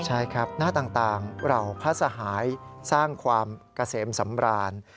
ใช่ครับหน้าต่างเหล่าพระสหายสร้างความเกษมสำราญ